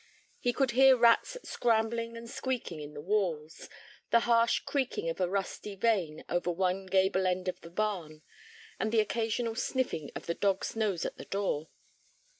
He could hear rats scrambling and squeaking in the walls, the harsh creaking of a rusty vane over one gable end of the barn, and the occasional sniffing of the dog's nose at the door.